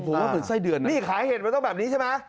ผมว่าเหมือนไส้เดือนนะนี่ขายเห็ดมันต้องแบบนี้ใช่ไหม